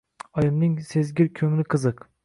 Oyimning «sezgir ko‘ngli» qiziq.